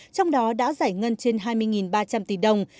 trong đó đã giải ngân trên hai mươi ba trăm linh tỷ đồng